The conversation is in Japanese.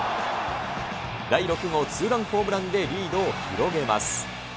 第６号ツーランホームランでリードを広げます。